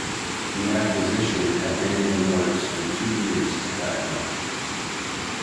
The acquisition had been in the works for two years at that point.